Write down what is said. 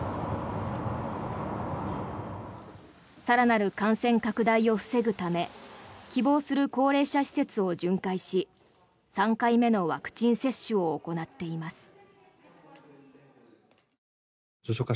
更なる感染拡大を防ぐため希望する高齢者施設を巡回し３回目のワクチン接種を行っています。